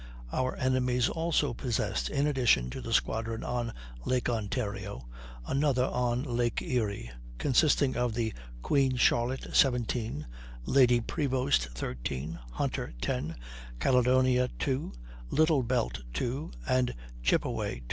Our enemies also possessed in addition to the squadron on Lake Ontario another on Lake Erie, consisting of the Queen Charlotte, 17, Lady Prevost, 13, Hunter, 10, Caledonia, 2, Little Belt, 2, and Chippeway, 2.